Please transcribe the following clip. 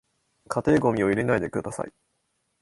家庭ゴミを入れないでください